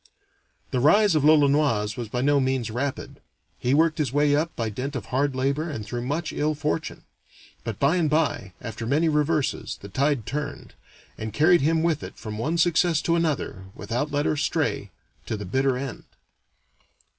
The rise of l'Olonoise was by no means rapid. He worked his way up by dint of hard labor and through much ill fortune. But by and by, after many reverses, the tide turned, and carried him with it from one success to another, without let or stay, to the bitter end.